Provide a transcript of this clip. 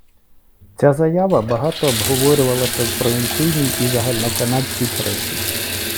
Ця заява багато обговорювалася в провінційній і загальноканадській пресі.